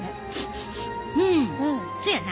うんそやな。